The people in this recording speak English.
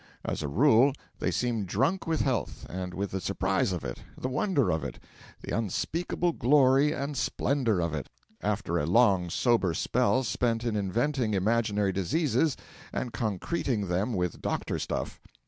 As a rule they seem drunk with health, and with the surprise of it, the wonder of it, the unspeakable glory and splendour of it, after a long sober spell spent in inventing imaginary diseases and concreting them with doctor stuff.